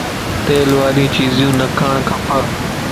تيل واريون چيزون نه کاڻ کپ